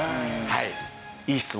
はい。